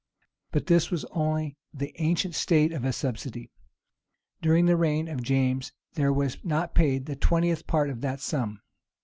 But this was only the ancient state of a subsidy. During the reign of James, there was not paid the twentieth part of that sum.